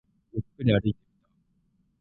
ゆっくり歩いてみた